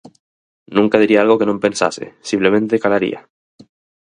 Nunca diría algo que non pensase; simplemente calaría.